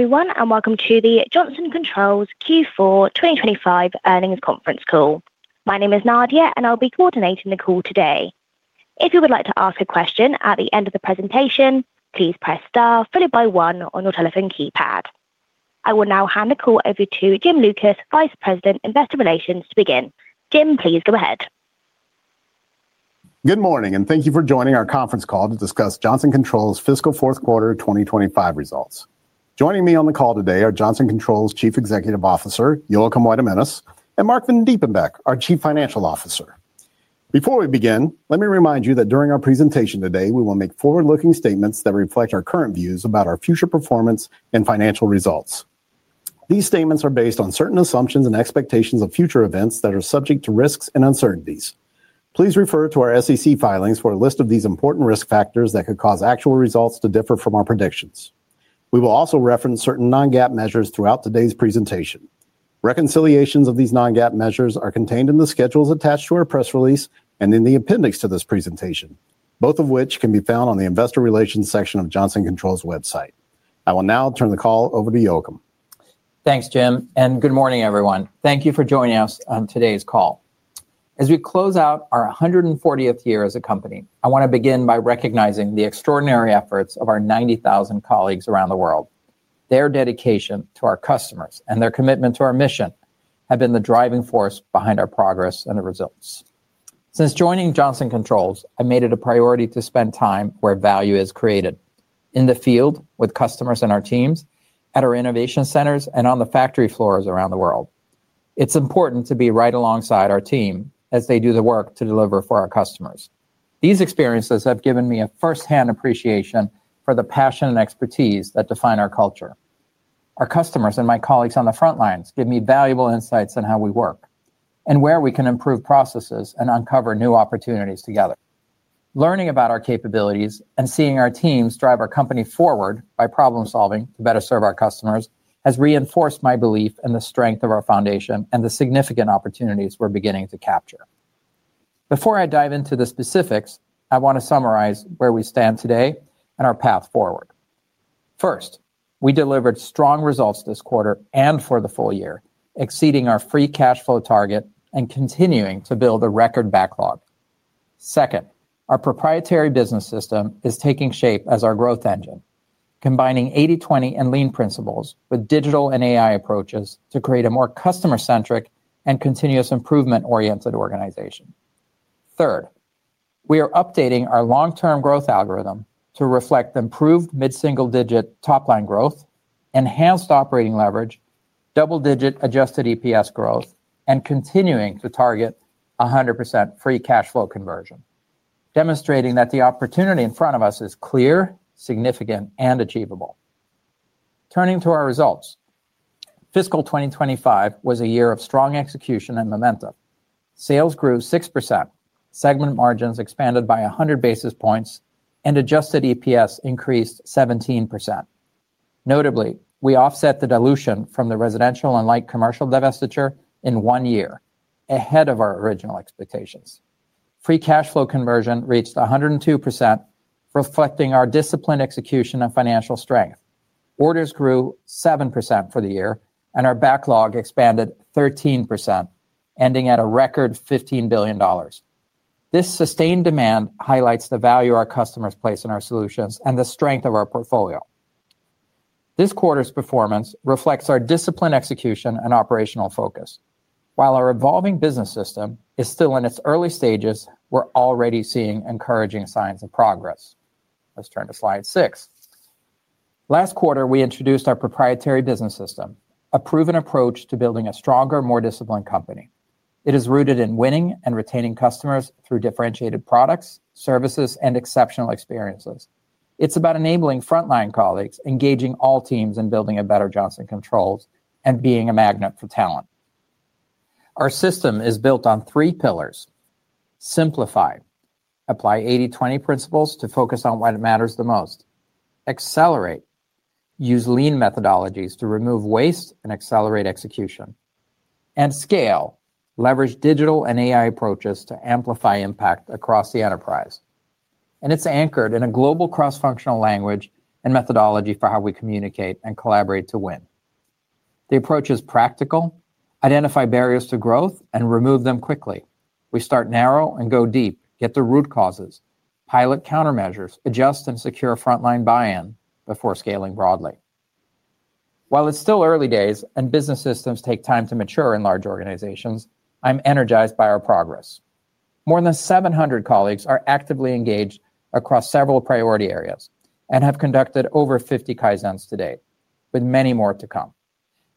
Everyone, and welcome to the Johnson Controls Q4 2025 earnings conference call. My name is Nadia, and I'll be coordinating the call today. If you would like to ask a question at the end of the presentation, please press star followed by one on your telephone keypad. I will now hand the call over to Jim Lucas, Vice President, Investor Relations, to begin. Jim, please go ahead. Good morning, and thank you for joining our conference call to discuss Johnson Controls' fiscal fourth quarter 2025 results. Joining me on the call today are Johnson Controls' Chief Executive Officer, Joakim Weidemanis, and Marc Vandiepenbeeck, our Chief Financial Officer. Before we begin, let me remind you that during our presentation today, we will make forward-looking statements that reflect our current views about our future performance and financial results. These statements are based on certain assumptions and expectations of future events that are subject to risks and uncertainties. Please refer to our SEC filings for a list of these important risk factors that could cause actual results to differ from our predictions. We will also reference certain non-GAAP measures throughout today's presentation. Reconciliations of these non-GAAP measures are contained in the schedules attached to our press release and in the appendix to this presentation, both of which can be found on the Investor Relations section of Johnson Controls' website. I will now turn the call over to Joakim. Thanks, Jim, and good morning, everyone. Thank you for joining us on today's call. As we close out our 140th year as a company, I want to begin by recognizing the extraordinary efforts of our 90,000 colleagues around the world. Their dedication to our customers and their commitment to our mission have been the driving force behind our progress and the results. Since joining Johnson Controls, I made it a priority to spend time where value is created: in the field with customers and our teams, at our innovation centers, and on the factory floors around the world. It's important to be right alongside our team as they do the work to deliver for our customers. These experiences have given me a firsthand appreciation for the passion and expertise that define our culture. Our customers and my colleagues on the front lines give me valuable insights on how we work and where we can improve processes and uncover new opportunities together. Learning about our capabilities and seeing our teams drive our company forward by problem-solving to better serve our customers has reinforced my belief in the strength of our foundation and the significant opportunities we're beginning to capture. Before I dive into the specifics, I want to summarize where we stand today and our path forward. First, we delivered strong results this quarter and for the full year, exceeding our free cash flow target and continuing to build a record backlog. Second, our proprietary business system is taking shape as our growth engine, combining 80/20 and lean principles with digital and AI approaches to create a more customer-centric and continuous improvement-oriented organization. Third, we are updating our long-term growth algorithm to reflect improved mid-single-digit top-line growth, enhanced operating leverage, double-digit adjusted EPS growth, and continuing to target 100% free cash flow conversion, demonstrating that the opportunity in front of us is clear, significant, and achievable. Turning to our results, fiscal 2025 was a year of strong execution and momentum. Sales grew 6%, segment margins expanded by 100 basis points, and adjusted EPS increased 17%. Notably, we offset the dilution from the residential and light commercial divestiture in one year, ahead of our original expectations. Free cash flow conversion reached 102%, reflecting our disciplined execution and financial strength. Orders grew 7% for the year, and our backlog expanded 13%, ending at a record $15 billion. This sustained demand highlights the value our customers place in our solutions and the strength of our portfolio. This quarter's performance reflects our disciplined execution and operational focus. While our evolving business system is still in its early stages, we're already seeing encouraging signs of progress. Let's turn to slide six. Last quarter, we introduced our proprietary business system, a proven approach to building a stronger, more disciplined company. It is rooted in winning and retaining customers through differentiated products, services, and exceptional experiences. It's about enabling frontline colleagues, engaging all teams, and building a better Johnson Controls and being a magnet for talent. Our system is built on three pillars: Simplify: Apply 80/20 principles to focus on what matters the most. Accelerate: Use lean methodologies to remove waste and accelerate execution. Scale: Leverage digital and AI approaches to amplify impact across the enterprise. It is anchored in a global cross-functional language and methodology for how we communicate and collaborate to win. The approach is practical, identifies barriers to growth, and removes them quickly. We start narrow and go deep, get to root causes, pilot countermeasures, adjust and secure frontline buy-in before scaling broadly. While it is still early days and business systems take time to mature in large organizations, I am energized by our progress. More than 700 colleagues are actively engaged across several priority areas and have conducted over 50 Kaizens to date, with many more to come.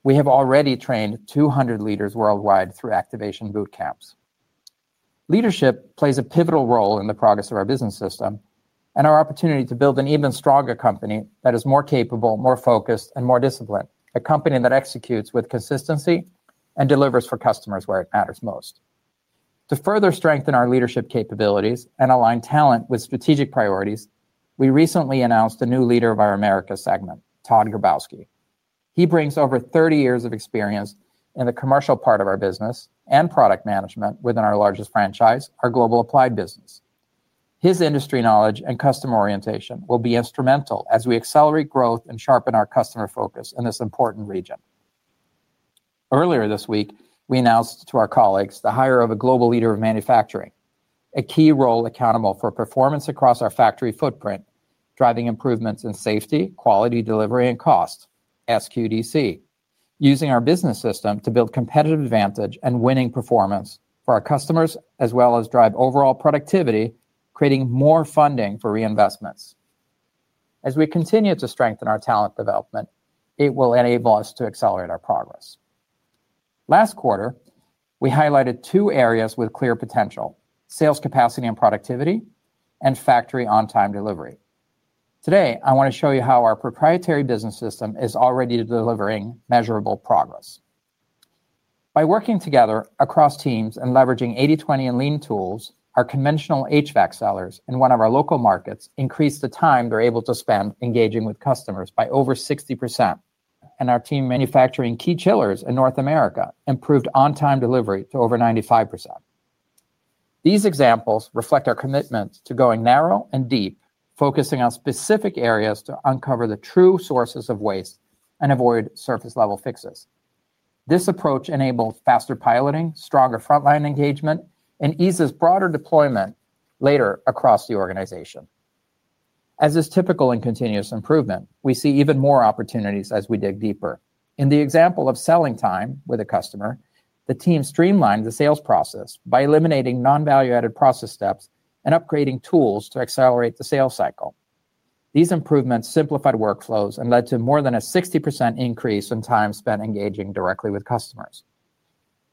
We have already trained 200 leaders worldwide through activation boot camps. Leadership plays a pivotal role in the progress of our business system and our opportunity to build an even stronger company that is more capable, more focused, and more disciplined, a company that executes with consistency and delivers for customers where it matters most. To further strengthen our leadership capabilities and align talent with strategic priorities, we recently announced a new leader of our Americas segment, Todd Grabowski. He brings over 30 years of experience in the commercial part of our business and product management within our largest franchise, our global applied business. His industry knowledge and customer orientation will be instrumental as we accelerate growth and sharpen our customer focus in this important region. Earlier this week, we announced to our colleagues the hire of a global leader of manufacturing, a key role accountable for performance across our factory footprint, driving improvements in safety, quality, delivery, and cost, SQDC, using our business system to build competitive advantage and winning performance for our customers, as well as drive overall productivity, creating more funding for reinvestments. As we continue to strengthen our talent development, it will enable us to accelerate our progress. Last quarter, we highlighted two areas with clear potential: sales capacity and productivity, and factory on-time delivery. Today, I want to show you how our proprietary business system is already delivering measurable progress. By working together across teams and leveraging 80/20 and lean tools, our conventional HVAC sellers in one of our local markets increased the time they're able to spend engaging with customers by over 60%, and our team manufacturing key chillers in North America improved on-time delivery to over 95%. These examples reflect our commitment to going narrow and deep, focusing on specific areas to uncover the true sources of waste and avoid surface-level fixes. This approach enables faster piloting, stronger frontline engagement, and eases broader deployment later across the organization. As is typical in continuous improvement, we see even more opportunities as we dig deeper. In the example of selling time with a customer, the team streamlined the sales process by eliminating non-value-added process steps and upgrading tools to accelerate the sales cycle. These improvements simplified workflows and led to more than a 60% increase in time spent engaging directly with customers.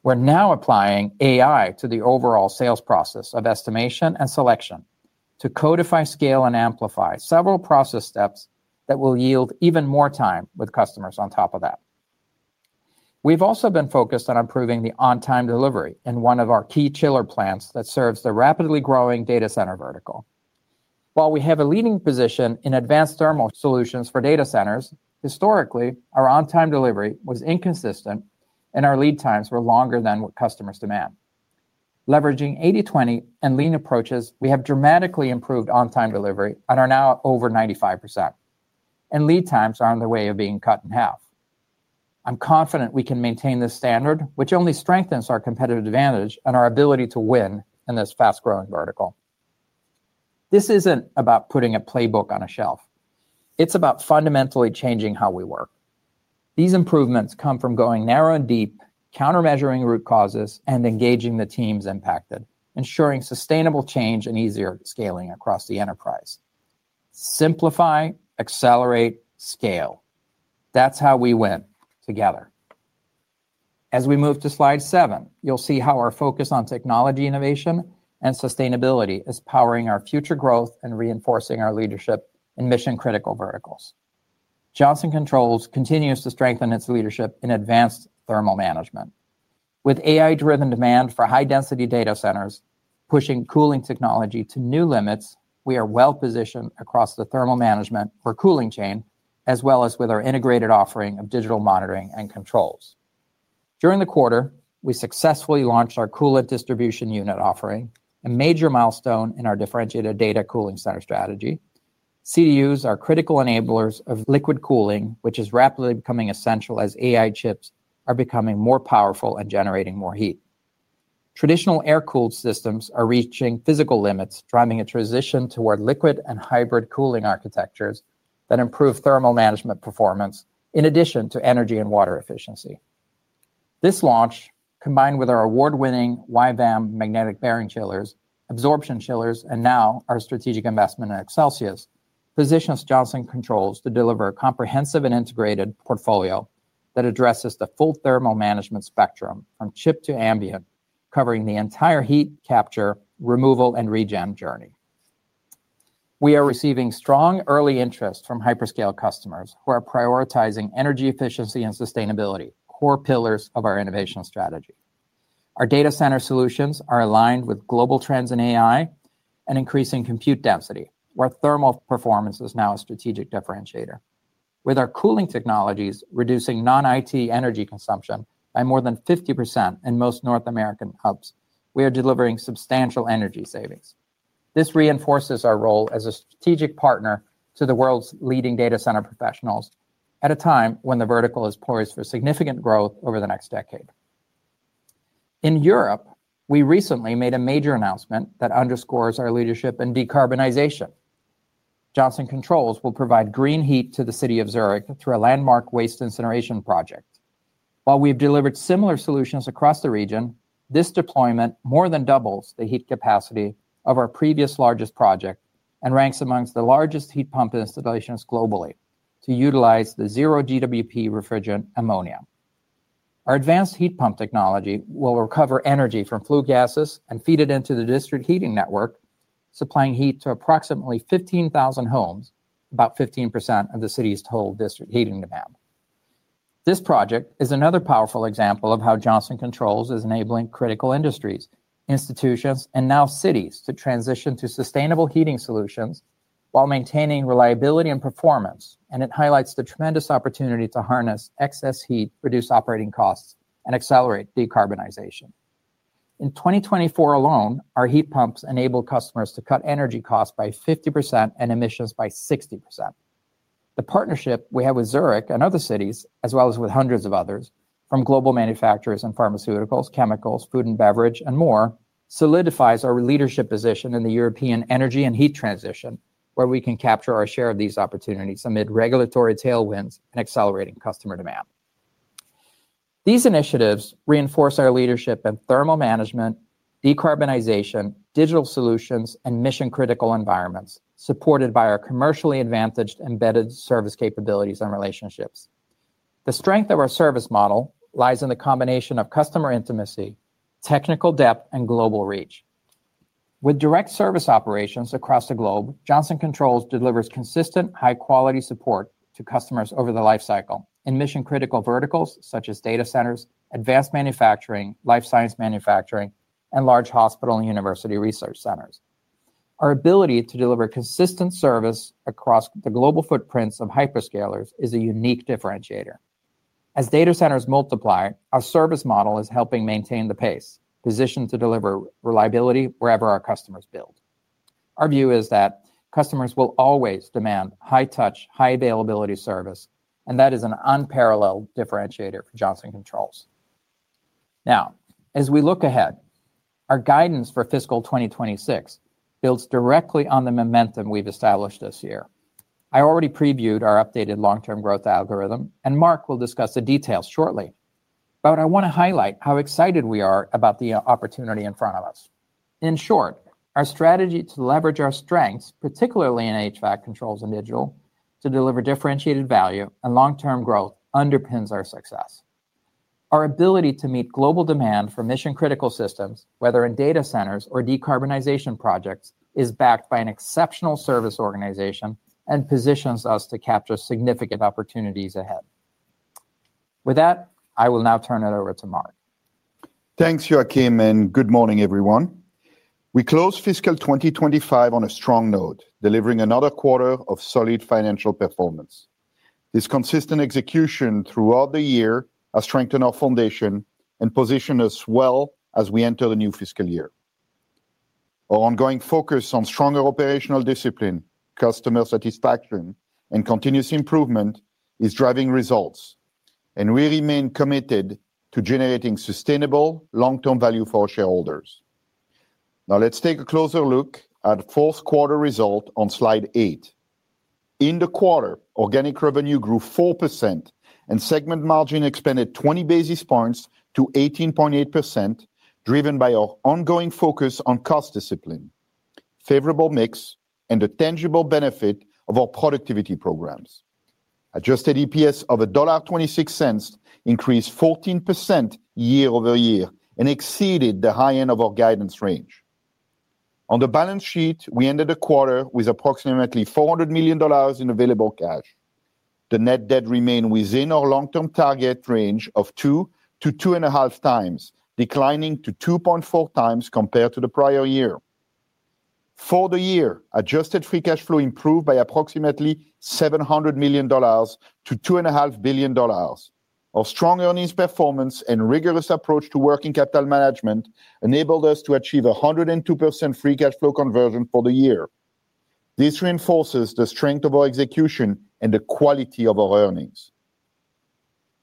We're now applying AI to the overall sales process of estimation and selection to codify, scale, and amplify several process steps that will yield even more time with customers on top of that. We've also been focused on improving the on-time delivery in one of our key chiller plants that serves the rapidly growing data center vertical. While we have a leading position in advanced thermal solutions for data centers, historically, our on-time delivery was inconsistent, and our lead times were longer than what customers demand. Leveraging 80/20 and lean approaches, we have dramatically improved on-time delivery and are now over 95%. Lead times are on the way of being cut in half. I'm confident we can maintain this standard, which only strengthens our competitive advantage and our ability to win in this fast-growing vertical. This isn't about putting a playbook on a shelf. It's about fundamentally changing how we work. These improvements come from going narrow and deep, countermeasuring root causes, and engaging the teams impacted, ensuring sustainable change and easier scaling across the enterprise. Simplify, accelerate, scale. That's how we win together. As we move to slide seven, you'll see how our focus on technology innovation and sustainability is powering our future growth and reinforcing our leadership in mission-critical verticals. Johnson Controls continues to strengthen its leadership in advanced thermal management. With AI-driven demand for high-density data centers pushing cooling technology to new limits, we are well-positioned across the thermal management for cooling chain, as well as with our integrated offering of digital monitoring and controls. During the quarter, we successfully launched our coolant distribution unit offering, a major milestone in our differentiated data cooling center strategy. CDUs are critical enablers of liquid cooling, which is rapidly becoming essential as AI chips are becoming more powerful and generating more heat. Traditional air-cooled systems are reaching physical limits, driving a transition toward liquid and hybrid cooling architectures that improve thermal management performance in addition to energy and water efficiency. This launch, combined with our award-winning YVAM magnetic bearing chillers, absorption chillers, and now our strategic investment in Excelsius, positions Johnson Controls to deliver a comprehensive and integrated portfolio that addresses the full thermal management spectrum from chip to ambient, covering the entire heat capture, removal, and regen journey. We are receiving strong early interest from hyperscale customers who are prioritizing energy efficiency and sustainability, core pillars of our innovation strategy. Our data center solutions are aligned with global trends in AI and increasing compute density, where thermal performance is now a strategic differentiator. With our cooling technologies reducing non-IT energy consumption by more than 50% in most North American hubs, we are delivering substantial energy savings. This reinforces our role as a strategic partner to the world's leading data center professionals at a time when the vertical is poised for significant growth over the next decade. In Europe, we recently made a major announcement that underscores our leadership in decarbonization. Johnson Controls will provide green heat to the city of Zurich through a landmark waste incineration project. While we've delivered similar solutions across the region, this deployment more than doubles the heat capacity of our previous largest project and ranks amongst the largest heat pump installations globally to utilize the zero-GWP refrigerant ammonia. Our advanced heat pump technology will recover energy from flue gases and feed it into the district heating network, supplying heat to approximately 15,000 homes, about 15% of the city's total district heating demand. This project is another powerful example of how Johnson Controls is enabling critical industries, institutions, and now cities to transition to sustainable heating solutions while maintaining reliability and performance, and it highlights the tremendous opportunity to harness excess heat, reduce operating costs, and accelerate decarbonization. In 2024 alone, our heat pumps enabled customers to cut energy costs by 50% and emissions by 60%. The partnership we have with Zurich and other cities, as well as with hundreds of others from global manufacturers in pharmaceuticals, chemicals, food and beverage, and more, solidifies our leadership position in the European energy and heat transition, where we can capture our share of these opportunities amid regulatory tailwinds and accelerating customer demand. These initiatives reinforce our leadership in thermal management, decarbonization, digital solutions, and mission-critical environments, supported by our commercially advantaged embedded service capabilities and relationships. The strength of our service model lies in the combination of customer intimacy, technical depth, and global reach. With direct service operations across the globe, Johnson Controls delivers consistent, high-quality support to customers over the lifecycle in mission-critical verticals such as data centers, advanced manufacturing, life science manufacturing, and large hospital and university research centers. Our ability to deliver consistent service across the global footprints of hyperscalers is a unique differentiator. As data centers multiply, our service model is helping maintain the pace, positioned to deliver reliability wherever our customers build. Our view is that customers will always demand high-touch, high-availability service, and that is an unparalleled differentiator for Johnson Controls. Now, as we look ahead, our guidance for fiscal 2026 builds directly on the momentum we've established this year. I already previewed our updated long-term growth algorithm, and Marc will discuss the details shortly. I want to highlight how excited we are about the opportunity in front of us. In short, our strategy to leverage our strengths, particularly in HVAC controls and digital, to deliver differentiated value and long-term growth underpins our success. Our ability to meet global demand for mission-critical systems, whether in data centers or decarbonization projects, is backed by an exceptional service organization and positions us to capture significant opportunities ahead. With that, I will now turn it over to Marc. Thanks, Joakim, and good morning, everyone. We close fiscal 2025 on a strong note, delivering another quarter of solid financial performance. This consistent execution throughout the year has strengthened our foundation and positioned us well as we enter the new fiscal year. Our ongoing focus on stronger operational discipline, customer satisfaction, and continuous improvement is driving results, and we remain committed to generating sustainable long-term value for our shareholders. Now, let's take a closer look at the fourth quarter result on slide eight. In the quarter, organic revenue grew 4%, and segment margin expanded 20 basis points to 18.8%, driven by our ongoing focus on cost discipline, favorable mix, and the tangible benefit of our productivity programs. Adjusted EPS of $1.26 increased 14% year-over-year and exceeded the high end of our guidance range. On the balance sheet, we ended the quarter with approximately $400 million in available cash. The net debt remained within our long-term target range of two to two and a half times, declining to 2.4 times compared to the prior year. For the year, adjusted free cash flow improved by approximately $700 million-$2.5 billion. Our strong earnings performance and rigorous approach to working capital management enabled us to achieve a 102% free cash flow conversion for the year. This reinforces the strength of our execution and the quality of our earnings.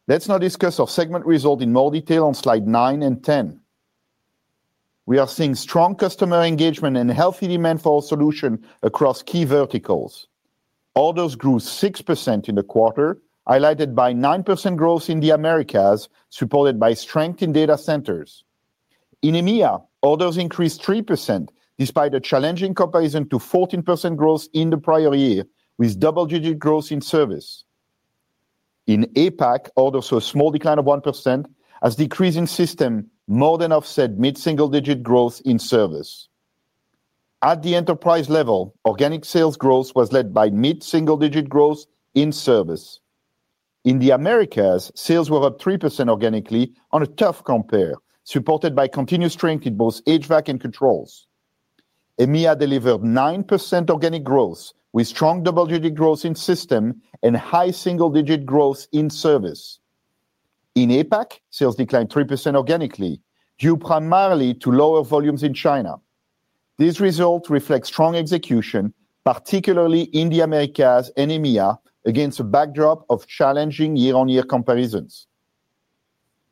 Let's now discuss our segment result in more detail on slide nine and ten. We are seeing strong customer engagement and healthy demand for our solution across key verticals. Orders grew 6% in the quarter, highlighted by 9% growth in the Americas, supported by strength in data centers. In EMEA, orders increased 3% despite a challenging comparison to 14% growth in the prior year, with double-digit growth in service. In APAC, orders saw a small decline of 1%, as decreasing systems more than offset mid-single-digit growth in service. At the enterprise level, organic sales growth was led by mid-single-digit growth in service. In the Americas, sales were up 3% organically on a tough compare, supported by continued strength in both HVAC and controls. EMEA delivered 9% organic growth, with strong double-digit growth in systems and high single-digit growth in service. In APAC, sales declined 3% organically, due primarily to lower volumes in China. These results reflect strong execution, particularly in the Americas and EMEA, against a backdrop of challenging year-on-year comparisons.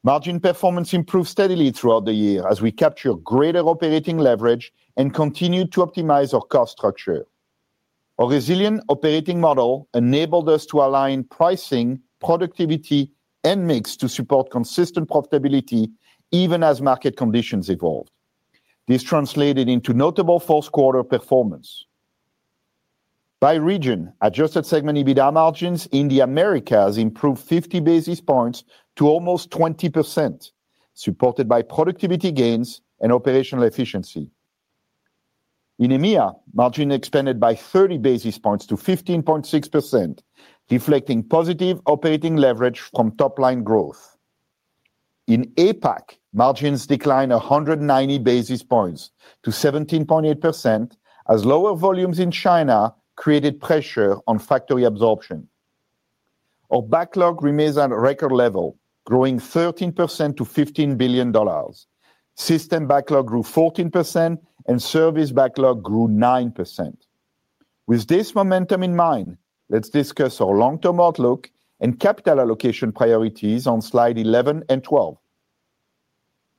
Margin performance improved steadily throughout the year as we captured greater operating leverage and continued to optimize our cost structure. Our resilient operating model enabled us to align pricing, productivity, and mix to support consistent profitability even as market conditions evolved. This translated into notable fourth-quarter performance. By region, adjusted segment EBITDA margins in the Americas improved 50 basis points to almost 20%, supported by productivity gains and operational efficiency. In EMEA, margins expanded by 30 basis points to 15.6%, reflecting positive operating leverage from top-line growth. In APAC, margins declined 190 basis points to 17.8% as lower volumes in China created pressure on factory absorption. Our backlog remains at a record level, growing 13% to $15 billion. System backlog grew 14%, and service backlog grew 9%. With this momentum in mind, let's discuss our long-term outlook and capital allocation priorities on slide 11 and 12.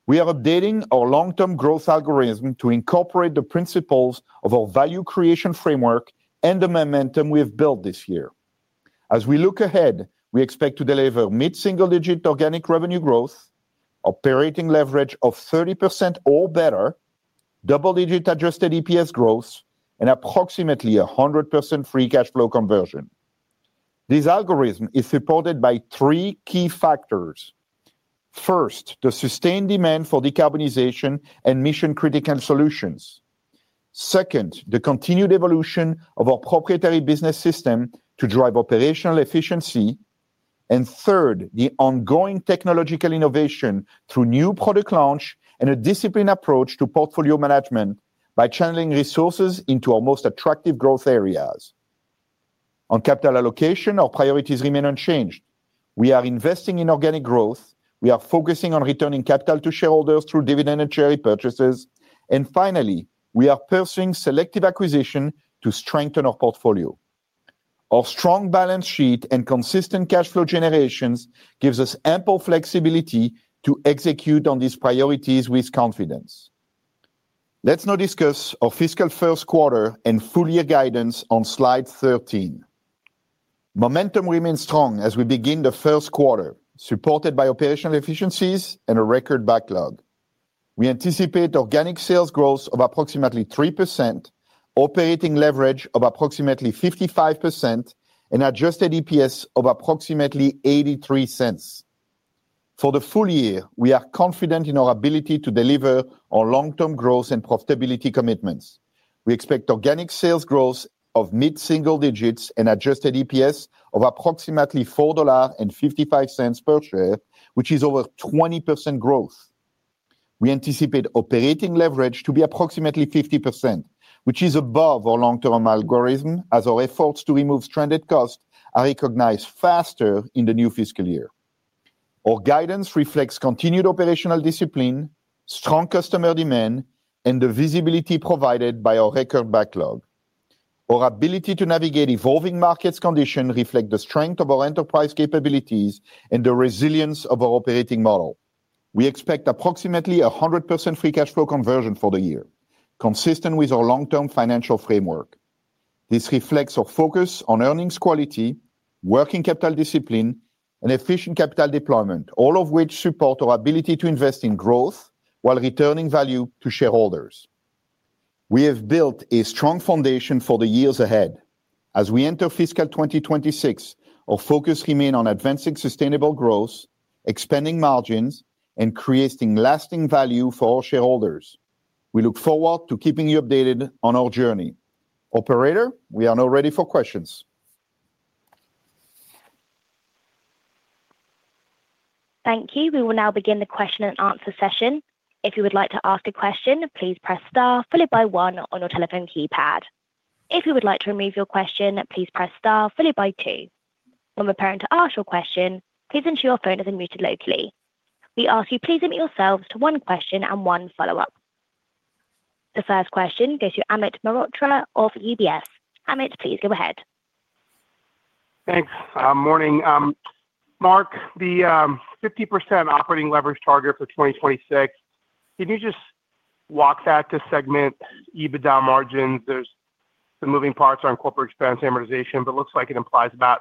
We are updating our long-term growth algorithm to incorporate the principles of our value creation framework and the momentum we have built this year. As we look ahead, we expect to deliver mid-single-digit organic revenue growth, operating leverage of 30% or better, double-digit adjusted EPS growth, and approximately 100% free cash flow conversion. This algorithm is supported by three key factors. First, the sustained demand for decarbonization and mission-critical solutions. Second, the continued evolution of our proprietary business system to drive operational efficiency. Third, the ongoing technological innovation through new product launch and a disciplined approach to portfolio management by channeling resources into our most attractive growth areas. On capital allocation, our priorities remain unchanged. We are investing in organic growth. We are focusing on returning capital to shareholders through dividend and share repurchases. Finally, we are pursuing selective acquisition to strengthen our portfolio. Our strong balance sheet and consistent cash flow generation give us ample flexibility to execute on these priorities with confidence. Let's now discuss our fiscal first quarter and full-year guidance on slide 13. Momentum remains strong as we begin the first quarter, supported by operational efficiencies and a record backlog. We anticipate organic sales growth of approximately 3%. Operating leverage of approximately 55%, and adjusted EPS of approximately $0.83. For the full year, we are confident in our ability to deliver our long-term growth and profitability commitments. We expect organic sales growth of mid-single digits and adjusted EPS of approximately $4.55 per share, which is over 20% growth. We anticipate operating leverage to be approximately 50%, which is above our long-term algorithm, as our efforts to remove stranded costs are recognized faster in the new fiscal year. Our guidance reflects continued operational discipline, strong customer demand, and the visibility provided by our record backlog. Our ability to navigate evolving market conditions reflects the strength of our enterprise capabilities and the resilience of our operating model. We expect approximately 100% free cash flow conversion for the year, consistent with our long-term financial framework. This reflects our focus on earnings quality, working capital discipline, and efficient capital deployment, all of which support our ability to invest in growth while returning value to shareholders. We have built a strong foundation for the years ahead. As we enter fiscal 2026, our focus remains on advancing sustainable growth, expanding margins, and creating lasting value for our shareholders. We look forward to keeping you updated on our journey. Operator, we are now ready for questions. Thank you. We will now begin the question and answer session. If you would like to ask a question, please press star followed by one on your telephone keypad. If you would like to remove your question, please press star followed by two. When preparing to ask your question, please ensure your phone is muted locally. We ask you please limit yourselves to one question and one follow-up. The first question goes to Amit Mehrotra of UBS. Amit, please go ahead. Thanks. Good morning. Marc, the 50% operating leverage target for 2026, can you just walk that to segment EBITDA margins? The moving parts are on corporate expense amortization, but it looks like it implies about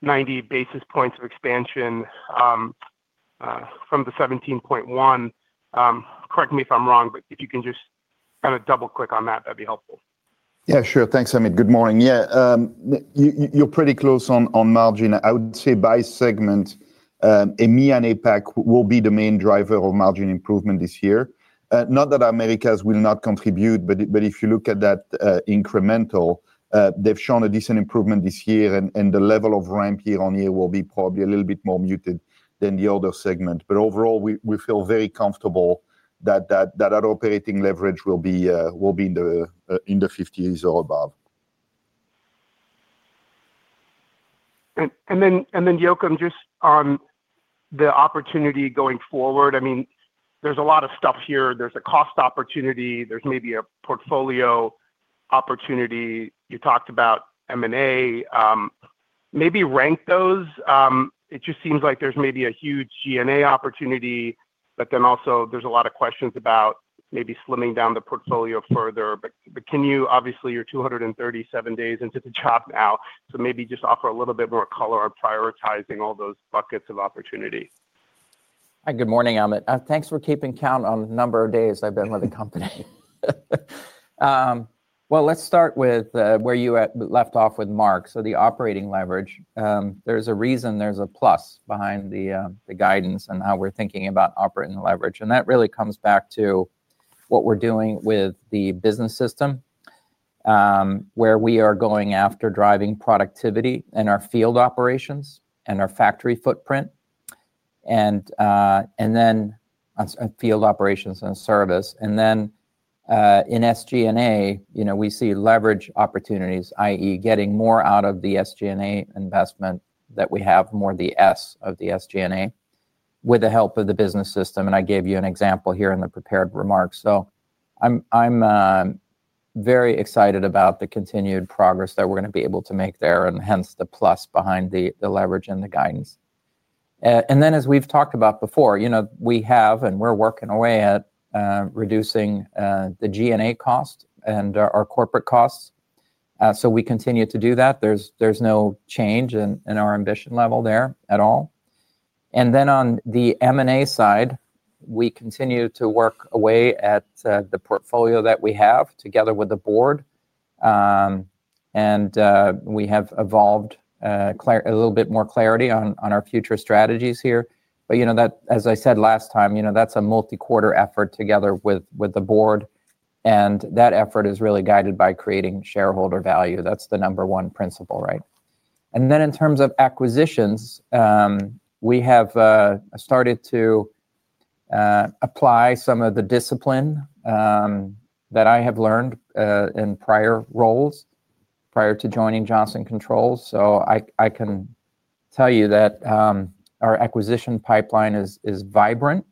90 basis points of expansion. From the 17.1. Correct me if I'm wrong, but if you can just kind of double-click on that, that'd be helpful. Yeah, sure. Thanks, Amit. Good morning. Yeah. You're pretty close on margin. I would say by segment. EMEA and APAC will be the main driver of margin improvement this year. Not that Americas will not contribute, but if you look at that incremental, they've shown a decent improvement this year, and the level of ramp year-on-year will be probably a little bit more muted than the other segment. Overall, we feel very comfortable that our operating leverage will be in the 50s or above. Joakim, just on the opportunity going forward, I mean, there's a lot of stuff here. There's a cost opportunity. There's maybe a portfolio opportunity. You talked about M&A. Maybe rank those. It just seems like there's maybe a huge G&A opportunity, but then also there's a lot of questions about maybe slimming down the portfolio further. Can you, obviously, you're 237 days into the job now, so maybe just offer a little bit more color on prioritizing all those buckets of opportunity? Hi, good morning, Amit. Thanks for keeping count on the number of days I've been with the company. Let's start with where you left off with Marc, the operating leverage. There's a reason there's a plus behind the guidance and how we're thinking about operating leverage. That really comes back to what we're doing with the business system, where we are going after driving productivity in our field operations and our factory footprint. Field operations and service. In SG&A, we see leverage opportunities, i.e., getting more out of the SG&A investment that we have, more the S of the SG&A, with the help of the business system. I gave you an example here in the prepared remarks. I'm very excited about the continued progress that we're going to be able to make there, and hence the plus behind the leverage and the guidance. As we have talked about before, we have and we are working away at reducing the G&A cost and our corporate costs. We continue to do that. There is no change in our ambition level there at all. On the M&A side, we continue to work away at the portfolio that we have together with the board. We have evolved a little bit more clarity on our future strategies here. As I said last time, that is a multi-quarter effort together with the board. That effort is really guided by creating shareholder value. That is the number one principle, right? In terms of acquisitions, we have started to apply some of the discipline that I have learned in prior roles prior to joining Johnson Controls. I can tell you that our acquisition pipeline is vibrant,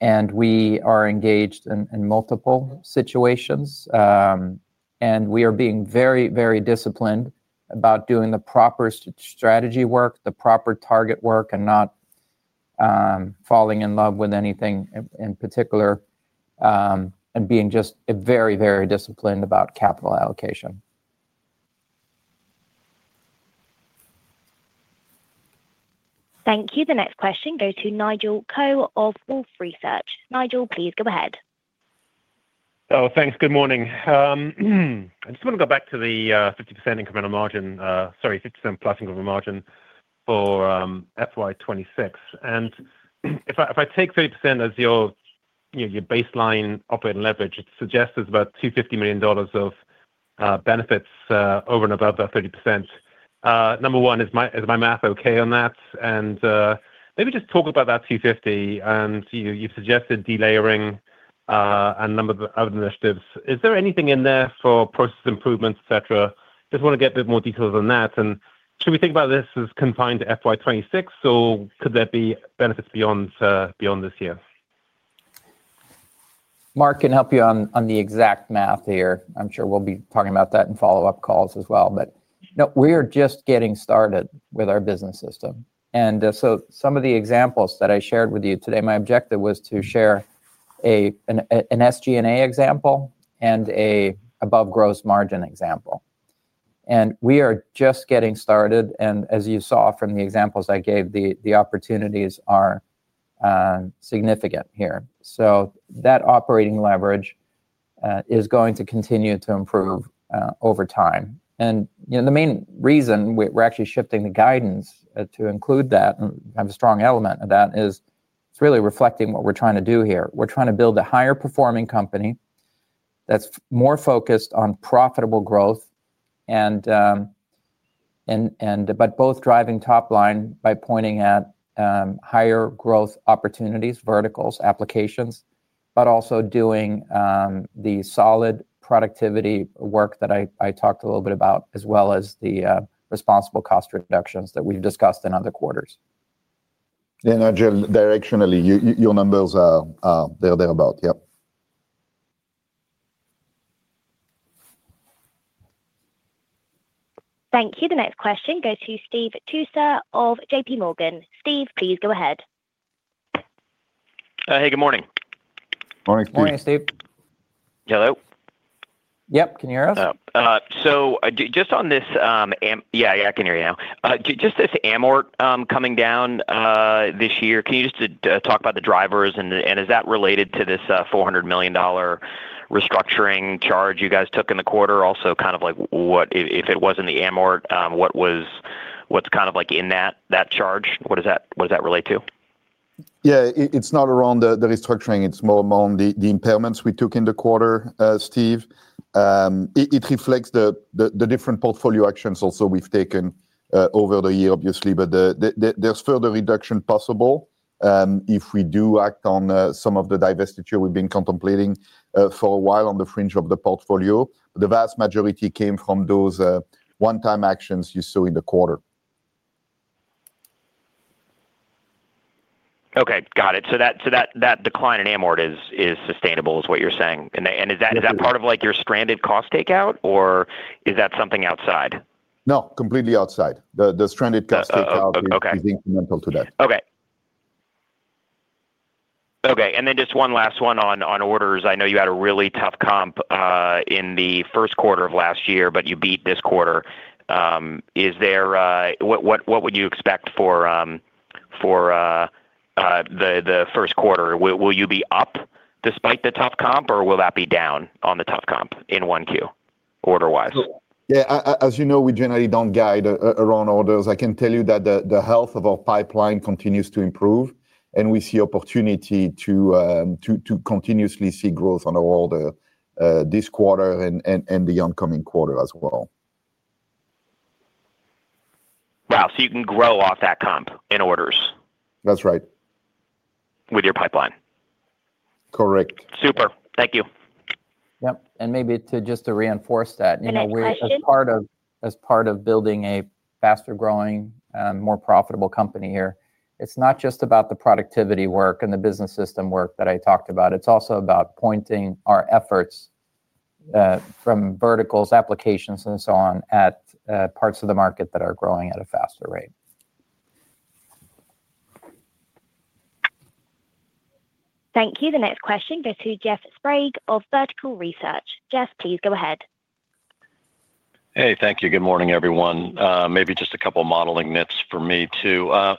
and we are engaged in multiple situations. We are being very, very disciplined about doing the proper strategy work, the proper target work, and not falling in love with anything in particular. We are just very, very disciplined about capital allocation. Thank you. The next question goes to Nigel Coe of Wolfe Research. Nigel, please go ahead. Oh, thanks. Good morning. I just want to go back to the 50% incremental margin, sorry, 50% plus incremental margin for FY2026. If I take 30% as your baseline operating leverage, it suggests it is about $250 million of benefits over and above that 30%. Number one, is my math okay on that? Maybe just talk about that $250 million. You have suggested delayering and a number of other initiatives. Is there anything in there for process improvements, etc.? Just want to get a bit more detail than that. Should we think about this as confined to FY26, or could there be benefits beyond this year? Marc can help you on the exact math here. I'm sure we'll be talking about that in follow-up calls as well. We are just getting started with our business system. Some of the examples that I shared with you today, my objective was to share an SG&A example and an above gross margin example. We are just getting started. As you saw from the examples I gave, the opportunities are significant here. That operating leverage is going to continue to improve over time. The main reason we're actually shifting the guidance to include that and have a strong element of that is it's really reflecting what we're trying to do here. We're trying to build a higher-performing company that's more focused on profitable growth. Both driving top line by pointing at higher growth opportunities, verticals, applications, but also doing the solid productivity work that I talked a little bit about, as well as the responsible cost reductions that we've discussed in other quarters. Yeah, Nigel, directionally, your numbers are thereabout. Yep. Thank you. The next question goes to Steve Tusa of JPMorgan. Steve, please go ahead. Hey, good morning. Morning, Steve. Morning, Steve. Hello? Yep, can you hear us? Just on this—yeah, yeah, I can hear you now. Just this amort coming down this year, can you just talk about the drivers? And is that related to this $400 million restructuring charge you guys took in the quarter? Also, kind of if it wasn't the amort, what's kind of in that charge? What does that relate to? Yeah, it's not around the restructuring. It's more around the impairments we took in the quarter, Steve. It reflects the different portfolio actions also we've taken over the year, obviously. There is further reduction possible if we do act on some of the divestiture we've been contemplating for a while on the fringe of the portfolio. The vast majority came from those one-time actions you saw in the quarter. Okay, got it. That decline in amort is sustainable, is what you're saying. Is that part of your stranded cost takeout, or is that something outside? No, completely outside. The stranded cost takeout is incremental to that. Okay. Okay. One last one on orders. I know you had a really tough comp in the first quarter of last year, but you beat this quarter. What would you expect for the first quarter? Will you be up despite the tough comp, or will that be down on the tough comp in one Q, order-wise? Yeah, as you know, we generally do not guide around orders. I can tell you that the health of our pipeline continues to improve, and we see opportunity to continuously see growth on our order this quarter and the oncoming quarter as well. Wow. So you can grow off that comp in orders? That is right. With your pipeline? Correct. Super. Thank you. Yep. Maybe just to reinforce that. As part of building a faster-growing, more profitable company here, it is not just about the productivity work and the business system work that I talked about. It is also about pointing our efforts from verticals, applications, and so on at parts of the market that are growing at a faster rate. Thank you. The next question goes to Jeff Sprague of Vertical Research. Jeff, please go ahead. Hey, thank you. Good morning, everyone. Maybe just a couple of modeling nits for me too.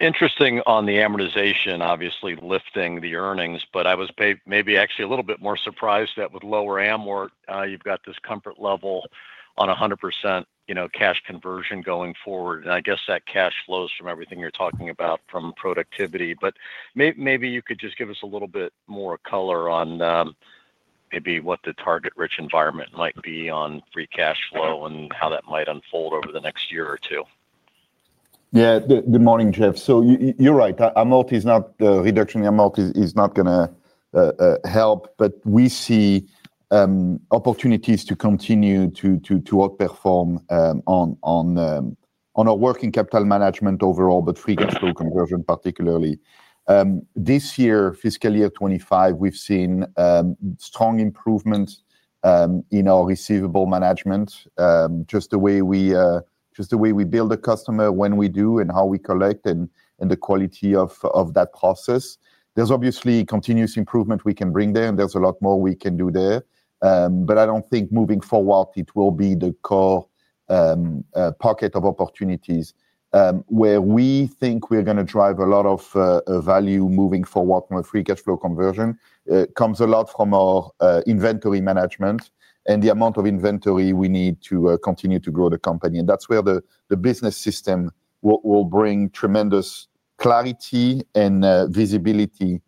Interesting on the amortization, obviously lifting the earnings, but I was maybe actually a little bit more surprised that with lower amort, you've got this comfort level on 100% cash conversion going forward. I guess that cash flows from everything you're talking about from productivity. Maybe you could just give us a little bit more color on maybe what the target-rich environment might be on free cash flow and how that might unfold over the next year or two. Yeah. Good morning, Jeff. You're right. The reduction in amort is not going to help, but we see opportunities to continue to outperform on our working capital management overall, but free cash flow conversion particularly. This year, fiscal year 2025, we've seen strong improvements in our receivable management. Just the way we bill a customer when we do and how we collect and the quality of that process. There's obviously continuous improvement we can bring there, and there's a lot more we can do there. I don't think moving forward it will be the core pocket of opportunities. Where we think we're going to drive a lot of value moving forward with free cash flow conversion comes a lot from our inventory management and the amount of inventory we need to continue to grow the company. That's where the business system will bring tremendous clarity and visibility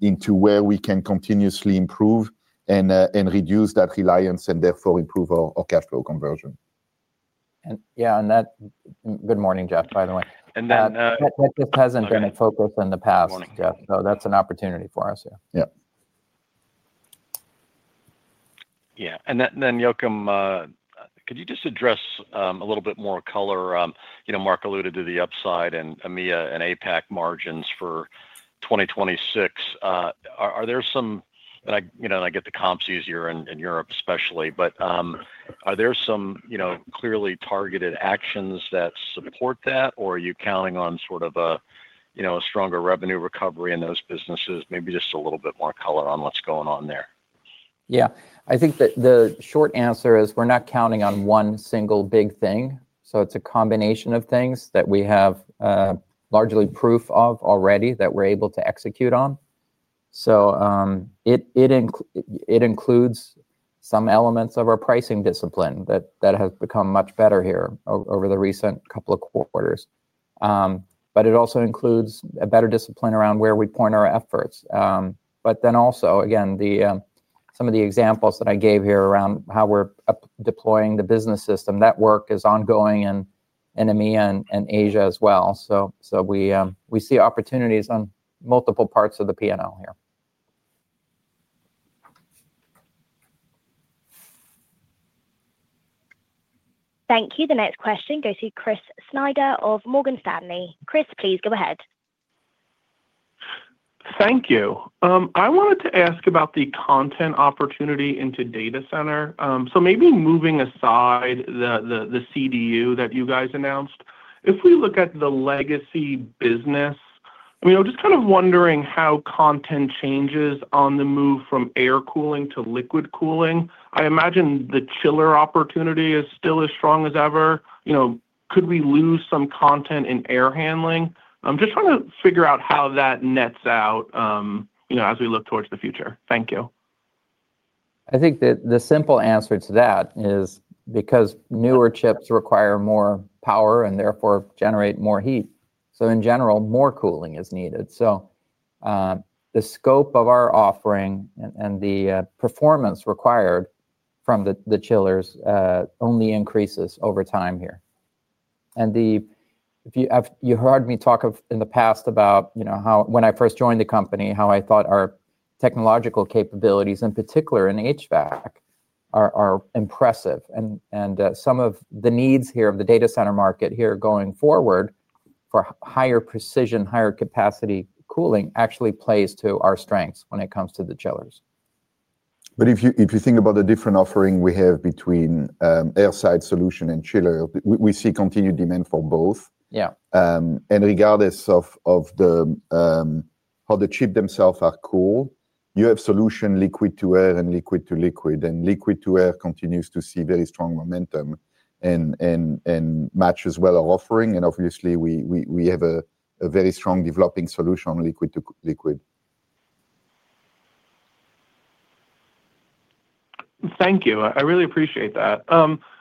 into where we can continuously improve and reduce that reliance and therefore improve our cash flow conversion. Yeah, and that—good morning, Jeff, by the way. That just hasn't been a focus in the past, Jeff. That is an opportunity for us here. Yeah. Yeah. Joakim, could you address a little bit more color? Marc alluded to the upside in EMEA and APAC margins for 2026. Are there some—and I get the comps easier in Europe, especially—but are there some clearly targeted actions that support that, or are you counting on sort of a stronger revenue recovery in those businesses? Maybe just a little bit more color on what is going on there. Yeah. I think the short answer is we are not counting on one single big thing. It is a combination of things that we have. Largely proof of already that we are able to execute on. It includes some elements of our pricing discipline that has become much better here over the recent couple of quarters. It also includes a better discipline around where we point our efforts. Then also, again, some of the examples that I gave here around how we're deploying the business system, that work is ongoing in EMEA and Asia as well. We see opportunities on multiple parts of the P&L here. Thank you. The next question goes to Chris Snyder of Morgan Stanley. Chris, please go ahead. Thank you. I wanted to ask about the content opportunity into data center. Maybe moving aside the CDU that you guys announced, if we look at the legacy business. I mean, I'm just kind of wondering how content changes on the move from air cooling to liquid cooling. I imagine the chiller opportunity is still as strong as ever. Could we lose some content in air handling? I'm just trying to figure out how that nets out. As we look towards the future, thank you. I think the simple answer to that is because newer chips require more power and therefore generate more heat. In general, more cooling is needed. The scope of our offering and the performance required from the chillers only increases over time here. You heard me talk in the past about when I first joined the company, how I thought our technological capabilities, in particular in HVAC, are impressive. Some of the needs here of the data center market going forward for higher precision, higher capacity cooling actually plays to our strengths when it comes to the chillers. If you think about the different offering we have between airside solution and chiller, we see continued demand for both. Regardless of how the chips themselves are cooled, you have solution liquid to air and liquid to liquid. Liquid to air continues to see very strong momentum and matches well our offering. Obviously, we have a very strong developing solution on liquid to liquid. Thank you. I really appreciate that.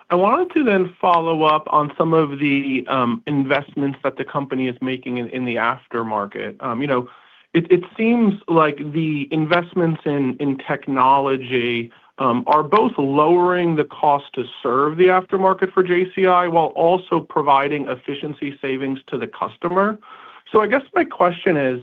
I wanted to then follow up on some of the investments that the company is making in the aftermarket. It seems like the investments in technology are both lowering the cost to serve the aftermarket for Johnson Controls while also providing efficiency savings to the customer. I guess my question is,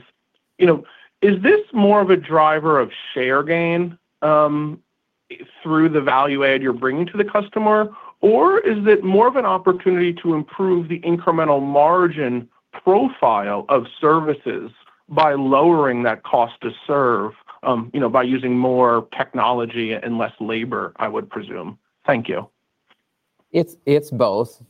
is this more of a driver of share gain through the value add you are bringing to the customer, or is it more of an opportunity to improve the incremental margin profile of services by lowering that cost to serve by using more technology and less labor, I would presume? Thank you. It's both.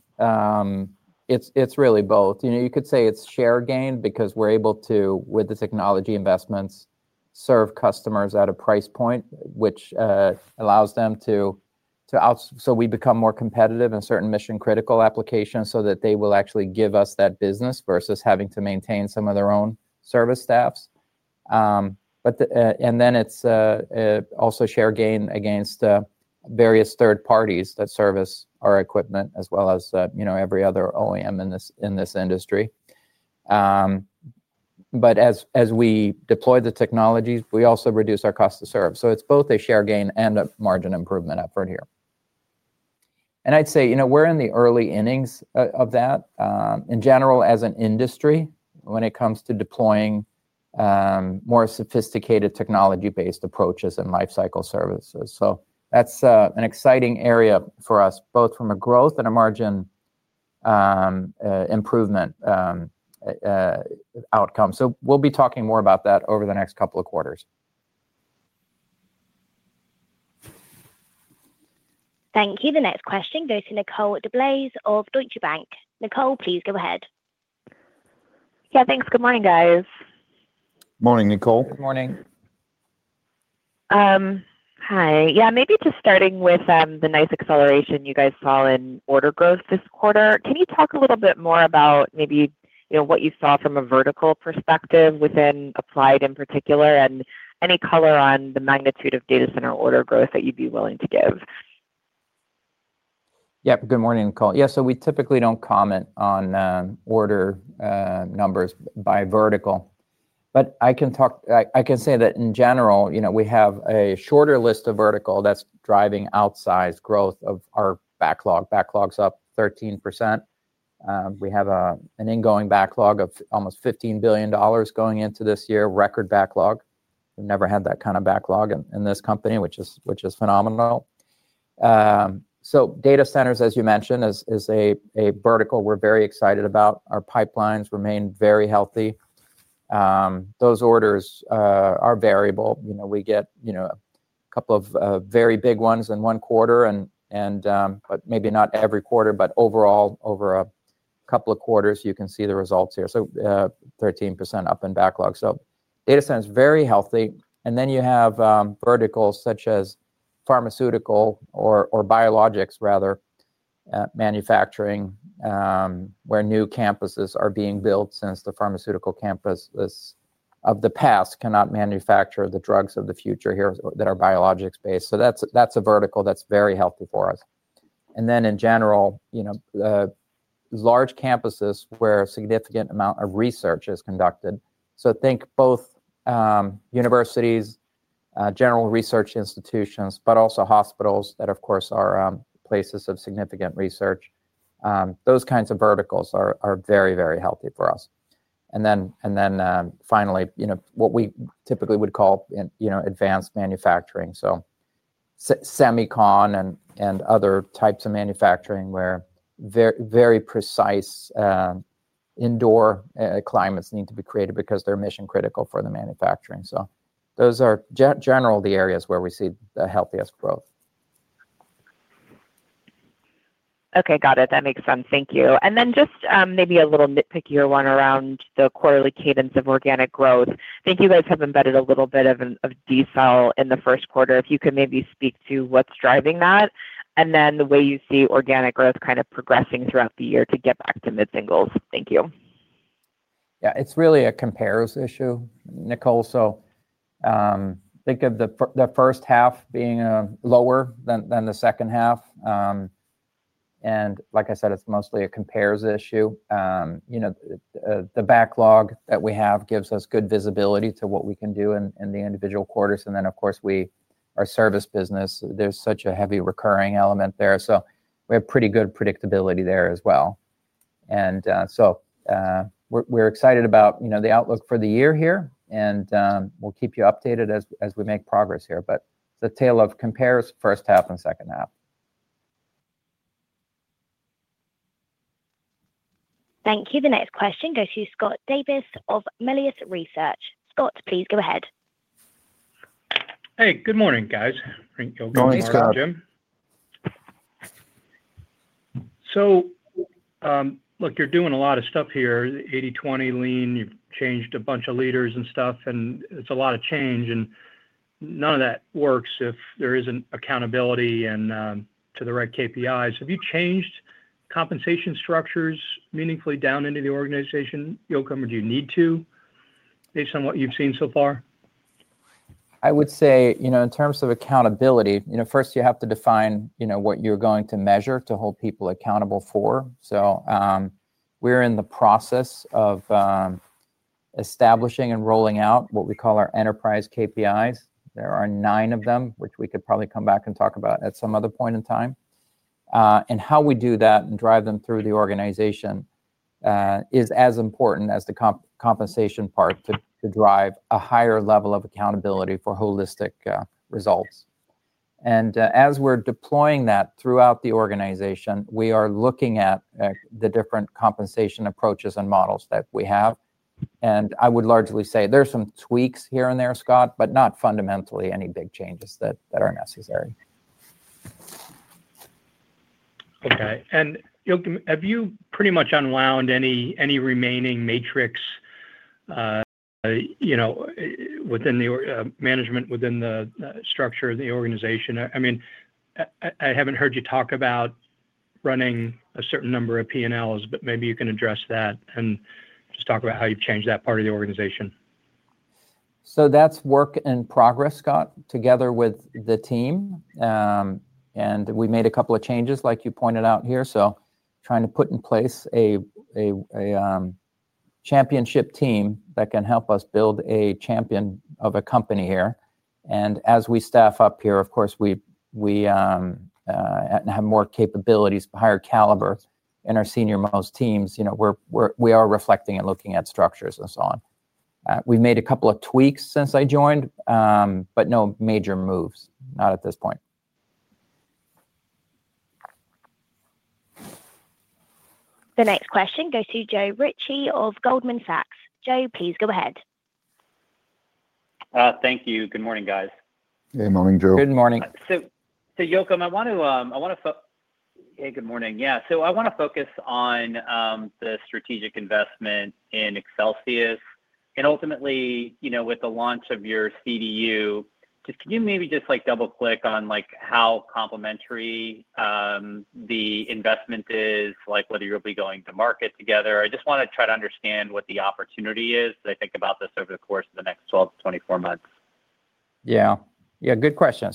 It's really both. You could say it is share gain because we are able to, with the technology investments, serve customers at a price point which allows them to. We become more competitive in certain mission-critical applications so that they will actually give us that business versus having to maintain some of their own service staffs. It is also share gain against various third parties that service our equipment as well as every other OEM in this industry. As we deploy the technologies, we also reduce our cost to serve. It is both a share gain and a margin improvement effort here. I would say we are in the early innings of that. In general, as an industry, when it comes to deploying more sophisticated technology-based approaches and lifecycle services. That is an exciting area for us, both from a growth and a margin improvement outcome. We'll be talking more about that over the next couple of quarters. Thank you. The next question goes to Nicole DeBlaise of Deutsche Bank. Nicole, please go ahead. Yeah, thanks. Good morning, guys. Morning, Nicole. Good morning. Hi. Yeah, maybe just starting with the nice acceleration you guys saw in order growth this quarter. Can you talk a little bit more about maybe what you saw from a vertical perspective within Applied in particular and any color on the magnitude of data center order growth that you'd be willing to give? Yep. Good morning, Nicole. Yeah, we typically do not comment on order numbers by vertical. I can say that in general, we have a shorter list of verticals that is driving outsized growth of our backlog. Backlog is up 13%. We have an ingoing backlog of almost $15 billion going into this year, record backlog. We've never had that kind of backlog in this company, which is phenomenal. Data centers, as you mentioned, is a vertical we're very excited about. Our pipelines remain very healthy. Those orders are variable. We get a couple of very big ones in one quarter, but maybe not every quarter, but overall, over a couple of quarters, you can see the results here. 13% up in backlog. Data center is very healthy. Then you have verticals such as pharmaceutical or biologics, rather, manufacturing, where new campuses are being built since the pharmaceutical campus of the past cannot manufacture the drugs of the future here that are biologics-based. That's a vertical that's very healthy for us. In general, large campuses where a significant amount of research is conducted. Think both universities. General research institutions, but also hospitals that, of course, are places of significant research. Those kinds of verticals are very, very healthy for us. Then finally, what we typically would call advanced manufacturing. Semicon and other types of manufacturing where very precise indoor climates need to be created because they're mission-critical for the manufacturing. Those are generally the areas where we see the healthiest growth. Okay. Got it. That makes sense. Thank you. Just maybe a little nitpicky one around the quarterly cadence of organic growth. I think you guys have embedded a little bit of a decile in the first quarter. If you could maybe speak to what's driving that and the way you see organic growth kind of progressing throughout the year to get back to mid-singles. Thank you. Yeah. It's really a compares issue, Nicole. Think of the first half being lower than the second half. Like I said, it is mostly a compares issue. The backlog that we have gives us good visibility to what we can do in the individual quarters. Of course, our service business, there is such a heavy recurring element there. We have pretty good predictability there as well. We are excited about the outlook for the year here, and we will keep you updated as we make progress here. It is a tale of compares first half and second half. Thank you. The next question goes to Scott Davis of Melius Research. Scott, please go ahead. Hey, good morning, guys. Thank you for joining the call, Jim. Good morning, Scott. Look, you are doing a lot of stuff here. 80/20 lean. You have changed a bunch of leaders and stuff, and it is a lot of change. None of that works if there is not accountability and to the right KPIs. Have you changed compensation structures meaningfully down into the organization, Joakim, or do you need to? Based on what you have seen so far. I would say in terms of accountability, first, you have to define what you are going to measure to hold people accountable for. We are in the process of establishing and rolling out what we call our enterprise KPIs. There are nine of them, which we could probably come back and talk about at some other point in time. How we do that and drive them through the organization is as important as the compensation part to drive a higher level of accountability for holistic results. As we are deploying that throughout the organization, we are looking at the different compensation approaches and models that we have. I would largely say there are some tweaks here and there, Scott, but not fundamentally any big changes that are necessary. Okay. Joakim, have you pretty much unwound any remaining matrix within the management, within the structure of the organization? I mean, I have not heard you talk about running a certain number of P&Ls, but maybe you can address that and just talk about how you have changed that part of the organization. That is work in progress, Scott, together with the team. We made a couple of changes, like you pointed out here. Trying to put in place a championship team that can help us build a champion of a company here. As we staff up here, of course, we have more capabilities, higher caliber in our senior-most teams. We are reflecting and looking at structures and so on. We've made a couple of tweaks since I joined, but no major moves, not at this point. The next question goes to Joe Ritchie of Goldman Sachs. Joe, please go ahead. Thank you. Good morning, guys. Good morning, Joe. Good morning. Joakim, I want to. Hey, good morning. Yeah. I want to focus on the strategic investment in Excelsius. And ultimately, with the launch of your CDU, can you maybe just double-click on how complementary the investment is, whether you'll be going to market together? I just want to try to understand what the opportunity is as I think about this over the course of the next 12 to 24 months. Yeah. Yeah. Good question.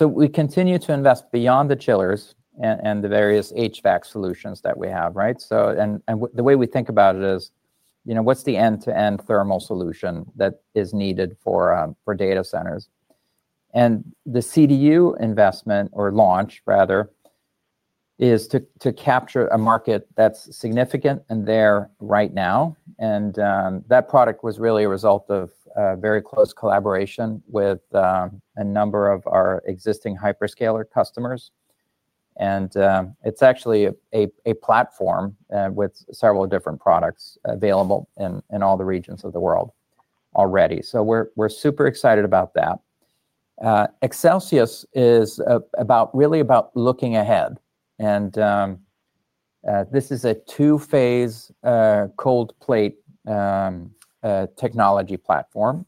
We continue to invest beyond the chillers and the various HVAC solutions that we have, right? The way we think about it is. What's the end-to-end thermal solution that is needed for data centers? The CDU investment, or launch rather, is to capture a market that's significant and there right now. That product was really a result of very close collaboration with a number of our existing hyperscaler customers. It's actually a platform with several different products available in all the regions of the world already. We're super excited about that. Excelsius is really about looking ahead. This is a two-phase cold plate technology platform.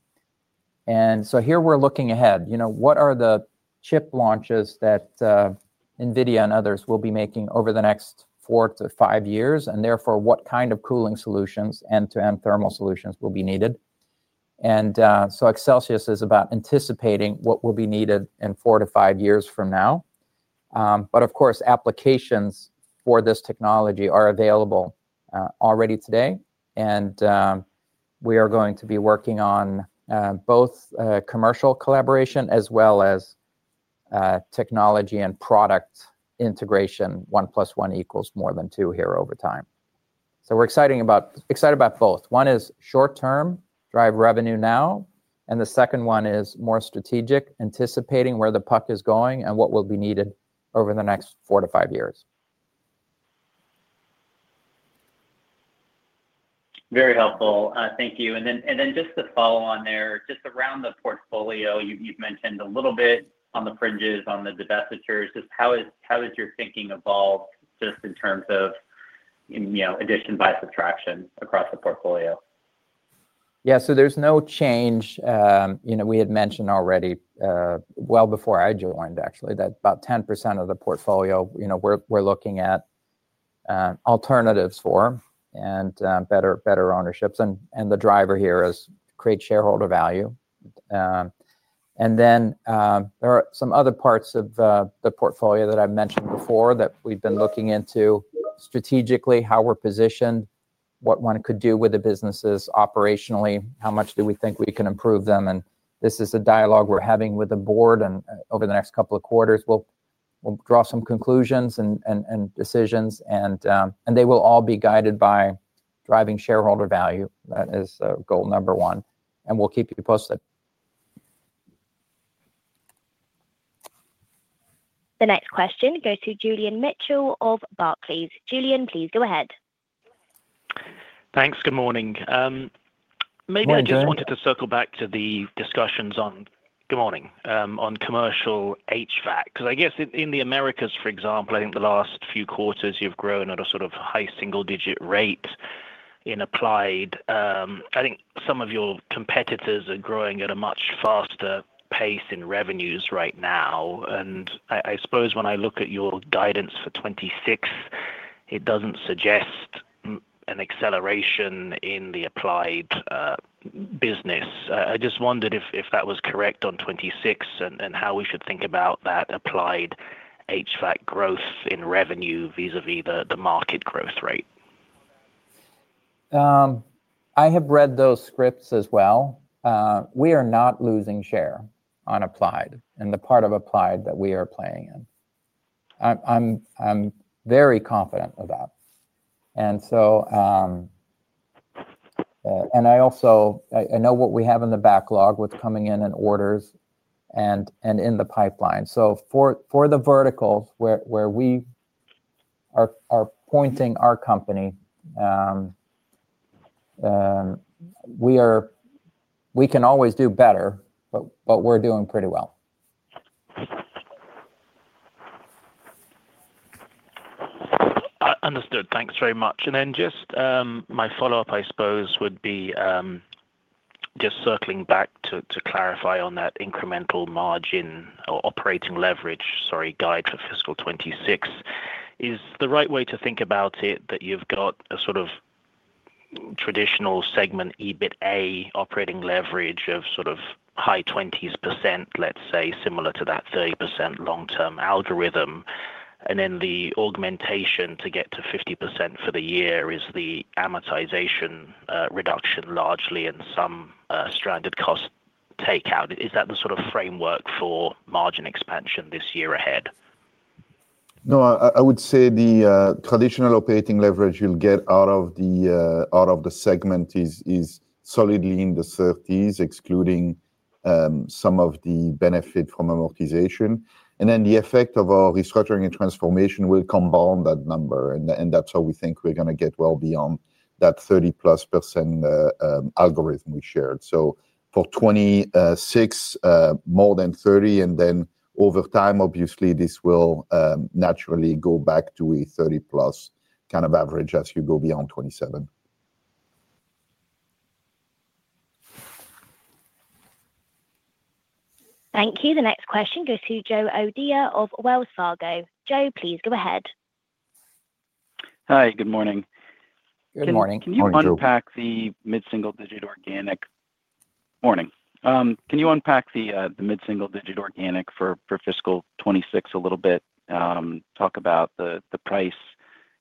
Here we're looking ahead. What are the chip launches that NVIDIA and others will be making over the next four to five years? Therefore, what kind of cooling solutions and end-to-end thermal solutions will be needed? Excelsius is about anticipating what will be needed in four to five years from now. Of course, applications for this technology are available already today. We are going to be working on both commercial collaboration as well as technology and product integration. One plus one equals more than two here over time. We are excited about both. One is short-term, drive revenue now. The second one is more strategic, anticipating where the puck is going and what will be needed over the next four to five years. Very helpful. Thank you. Just to follow on there, just around the portfolio, you have mentioned a little bit on the fringes, on the divestitures. Just how has your thinking evolved just in terms of addition by subtraction across the portfolio? There is no change. We had mentioned already, well before I joined actually, that about 10% of the portfolio we are looking at alternatives for and better ownerships. The driver here is great shareholder value. There are some other parts of the portfolio that I've mentioned before that we've been looking into strategically, how we're positioned, what one could do with the businesses operationally, how much do we think we can improve them. This is a dialogue we're having with the board. Over the next couple of quarters, we'll draw some conclusions and decisions. They will all be guided by driving shareholder value. That is goal number one. We'll keep you posted. The next question goes to Julian Mitchell of Barclays. Julian, please go ahead. Thanks. Good morning. Maybe I just wanted to circle back to the discussions on—good morning—on commercial HVAC. Because I guess in the Americas, for example, I think the last few quarters you've grown at a sort of high single-digit rate in Applied. I think some of your competitors are growing at a much faster pace in revenues right now. I suppose when I look at your guidance for 2026, it does not suggest an acceleration in the Applied business. I just wondered if that was correct on 2026 and how we should think about that Applied HVAC growth in revenue vis-à-vis the market growth rate. I have read those scripts as well. We are not losing share on Applied and the part of Applied that we are playing in. I'm very confident of that. I know what we have in the backlog, what's coming in in orders, and in the pipeline. For the verticals where we are pointing our company, we can always do better, but we're doing pretty well. Understood. Thanks very much. I suppose my follow-up would be. Just circling back to clarify on that incremental margin or operating leverage, sorry, guide for fiscal 2026. Is the right way to think about it that you've got a sort of traditional segment EBITDA operating leverage of sort of high 20%, let's say, similar to that 30% long-term algorithm. And then the augmentation to get to 50% for the year is the amortization reduction largely and some stranded cost takeout. Is that the sort of framework for margin expansion this year ahead? No, I would say the traditional operating leverage you'll get out of the segment is solidly in the 30s, excluding some of the benefit from amortization. And then the effect of our restructuring and transformation will combine that number. That is how we think we're going to get well beyond that 30+% algorithm we shared. For 2026, more than 30%. And then over time, obviously, this will naturally go back to a 30+ kind of average as you go beyond 2027. Thank you. The next question goes to Joe O'Dea of Wells Fargo. Joe, please go ahead. Hi. Good morning. Good morning. Can you unpack the mid-single-digit organic? Morning. Can you unpack the mid-single-digit organic for fiscal 2026 a little bit? Talk about the price,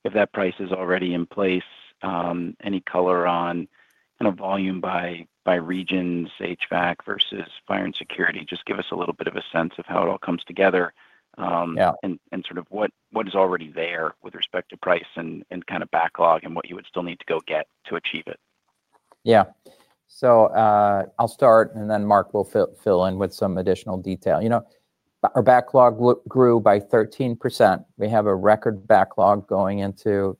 if that price is already in place, any color on volume by regions, HVAC versus fire and security. Just give us a little bit of a sense of how it all comes together. And sort of what is already there with respect to price and kind of backlog and what you would still need to go get to achieve it. Yeah. So I'll start, and then Marc will fill in with some additional detail. Our backlog grew by 13%. We have a record backlog going into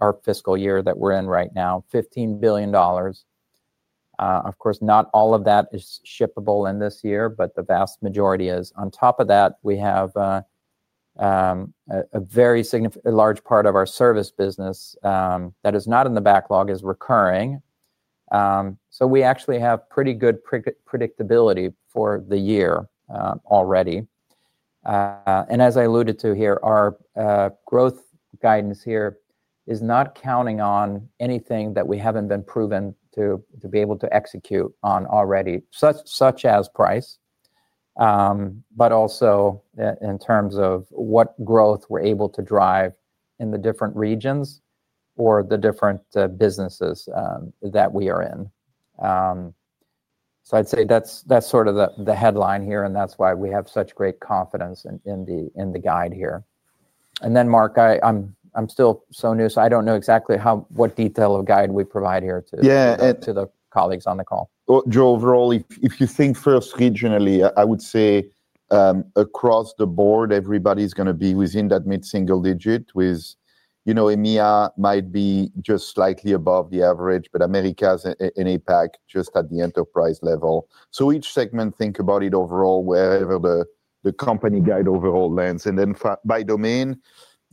our fiscal year that we're in right now, $15 billion. Of course, not all of that is shippable in this year, but the vast majority is. On top of that, we have a very large part of our service business that is not in the backlog is recurring. So we actually have pretty good predictability for the year already. As I alluded to here, our growth guidance here is not counting on anything that we haven't been proven to be able to execute on already, such as price. Also, in terms of what growth we're able to drive in the different regions or the different businesses that we are in. I'd say that's sort of the headline here, and that's why we have such great confidence in the guide here. Marc, I'm still so new, so I don't know exactly what detail of guide we provide here to the colleagues on the call. Joe, overall, if you think first regionally, I would say across the board, everybody's going to be within that mid-single digit, with EMEA might be just slightly above the average, but Americas and APAC just at the enterprise level. Each segment, think about it overall, wherever the company guide overall lands. By domain,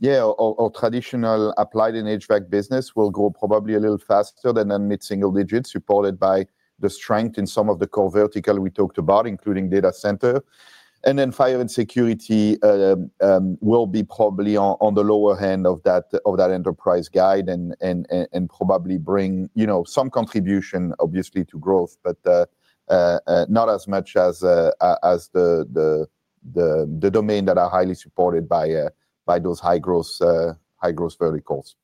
yeah, our traditional Applied and HVAC business will grow probably a little faster than that mid-single digit, supported by the strength in some of the core vertical we talked about, including data center. Fire and security will be probably on the lower end of that enterprise guide and probably bring some contribution, obviously, to growth, but not as much as the domain that are highly supported by. Those high-growth verticals.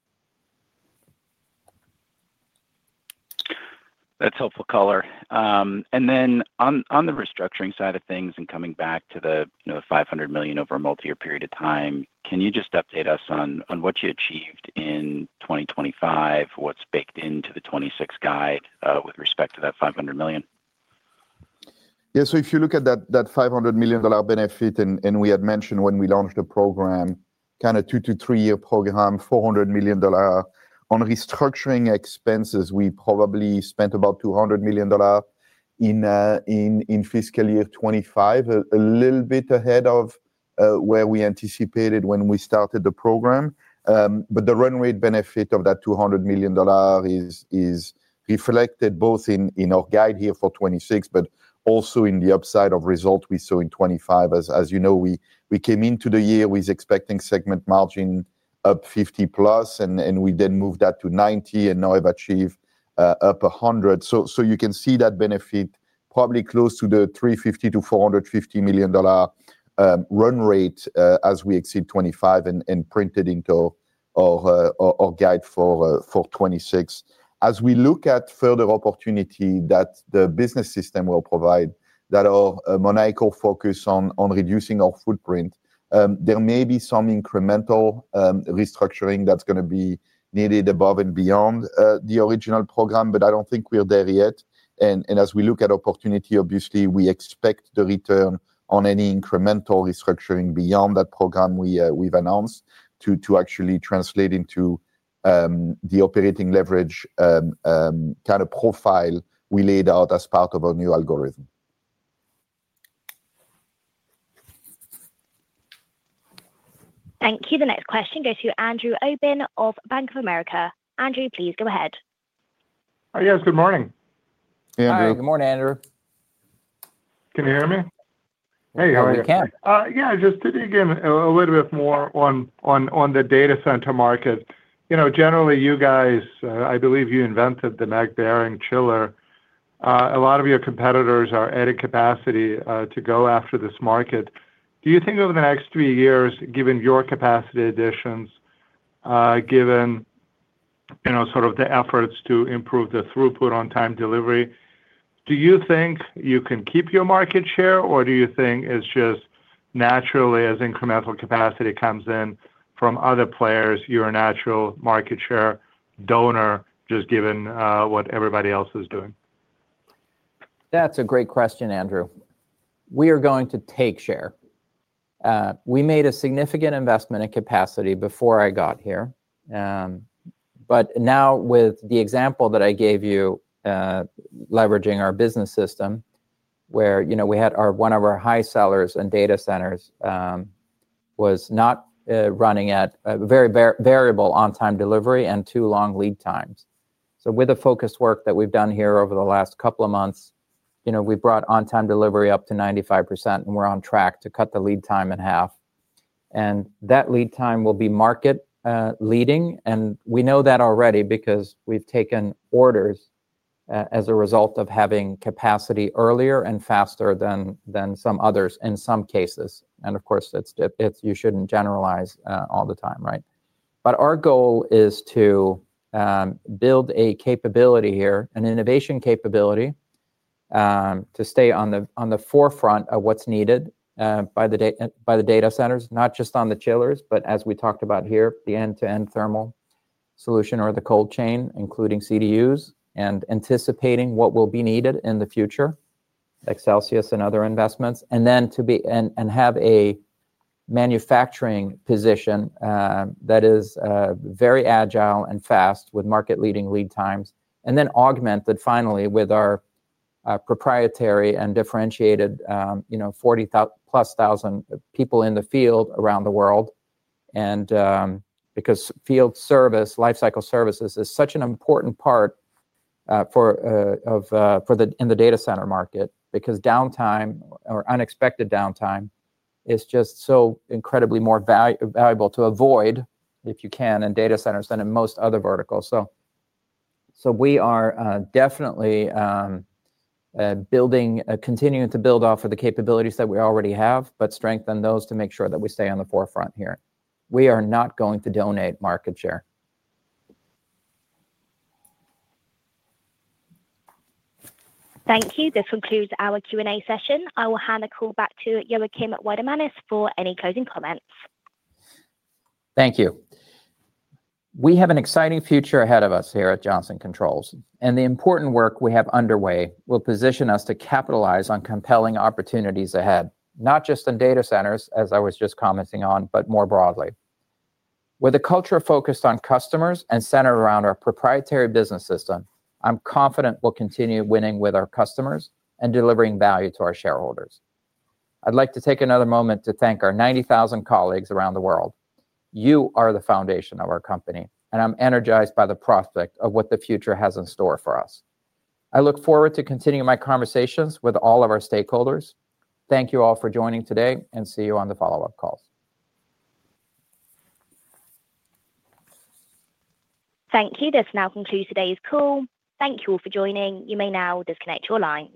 That's helpful color. On the restructuring side of things and coming back to the $500 million over a multi-year period of time, can you just update us on what you achieved in 2025, what's baked into the 2026 guide with respect to that $500 million? Yeah. If you look at that $500 million benefit, and we had mentioned when we launched the program, kind of two- to three-year program, $400 million. On restructuring expenses, we probably spent about $200 million in fiscal year 2025, a little bit ahead of where we anticipated when we started the program. The runway benefit of that $200 million is reflected both in our guide here for 2026, but also in the upside of results we saw in 2025. As you know, we came into the year with expecting segment margin up 50-plus, and we then moved that to 90 and now have achieved up 100. You can see that benefit probably close to the $350-$450 million run rate as we exceed 2025 and printed into our guide for 2026. As we look at further opportunity that the business system will provide, that our Monaco focus on reducing our footprint, there may be some incremental restructuring that's going to be needed above and beyond the original program, but I don't think we're there yet. As we look at opportunity, obviously, we expect the return on any incremental restructuring beyond that program we've announced to actually translate into the operating leverage kind of profile we laid out as part of our new algorithm. Thank you. The next question goes to Andrew Obin of Bank of America. Andrew, please go ahead. Hi, guys. Good morning. Hey, Andrew. Hi. Good morning, Andrew. Can you hear me? Hey, how are you? Yeah, we can. Yeah, just to dig in a little bit more on the data center market. Generally, you guys, I believe you invented the mag bearing chiller. A lot of your competitors are adding capacity to go after this market. Do you think over the next three years, given your capacity additions, given sort of the efforts to improve the throughput on time delivery, do you think you can keep your market share, or do you think it's just naturally, as incremental capacity comes in from other players, you're a natural market share donor, just given what everybody else is doing? That's a great question, Andrew. We are going to take share. We made a significant investment in capacity before I got here. Now, with the example that I gave you, leveraging our business system, where we had one of our high sellers in data centers, was not running at very variable on-time delivery and too long lead times. With the focused work that we've done here over the last couple of months, we brought on-time delivery up to 95%, and we're on track to cut the lead time in half. That lead time will be market-leading. We know that already because we've taken orders as a result of having capacity earlier and faster than some others in some cases. Of course, you shouldn't generalize all the time, right? Our goal is to build a capability here, an innovation capability. To stay on the forefront of what is needed by the data centers, not just on the chillers, but as we talked about here, the end-to-end thermal solution or the cold chain, including CDUs, and anticipating what will be needed in the future. Excelsius and other investments. Then to have a manufacturing position that is very agile and fast with market-leading lead times. Finally, augmented with our proprietary and differentiated 40,000-plus people in the field around the world. Because field service, lifecycle services, is such an important part of the data center market, because downtime or unexpected downtime is just so incredibly more valuable to avoid, if you can, in data centers than in most other verticals. We are definitely. Building, continuing to build off of the capabilities that we already have, but strengthen those to make sure that we stay on the forefront here. We are not going to donate market share. Thank you. This concludes our Q&A session. I will hand the call back to Joakim Weidemanis for any closing comments. Thank you. We have an exciting future ahead of us here at Johnson Controls. The important work we have underway will position us to capitalize on compelling opportunities ahead, not just in data centers, as I was just commenting on, but more broadly. With a culture focused on customers and centered around our proprietary business system, I'm confident we'll continue winning with our customers and delivering value to our shareholders. I'd like to take another moment to thank our 90,000 colleagues around the world. You are the foundation of our company, and I'm energized by the prospect of what the future has in store for us. I look forward to continuing my conversations with all of our stakeholders. Thank you all for joining today, and see you on the follow-up calls. Thank you. This now concludes today's call. Thank you all for joining. You may now disconnect your lines.